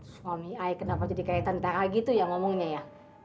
suami ayah kenapa jadi kaitan ta gitu ya ngomongnya ya